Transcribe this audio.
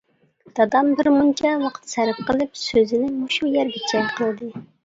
دادام بىرمۇنچە ۋاقىت سەرپ قىلىپ سۆزىنى مۇشۇ يەرگىچە قىلدى.